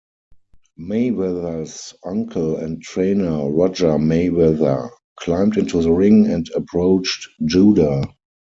Mayweather's uncle and trainer, Roger Mayweather, climbed into the ring and approached Judah.